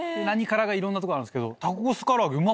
何空がいろんなとこにあるんですけど。